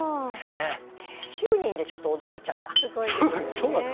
９人でちょっと驚いちゃった。